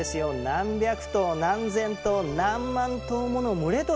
何百頭何千頭何万頭もの群れとなって。